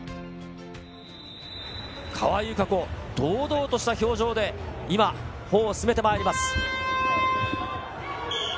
川井友香子、堂々とした表情で今、歩を進めてまいります。